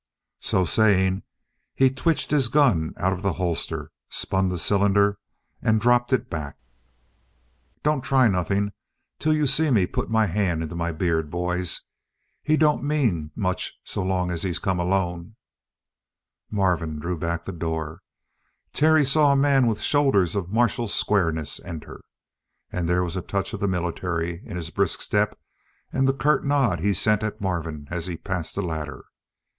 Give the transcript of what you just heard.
So saying, he twitched his gun out of the holster, spun the cylinder, and dropped it back. "Don't try nothing till you see me put my hand into my beard, boys. He don't mean much so long as he's come alone." Marvin drew back the door. Terry saw a man with shoulders of martial squareness enter. And there was a touch of the military in his brisk step and the curt nod he sent at Marvin as he passed the latter.